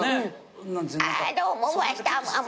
「あどうも」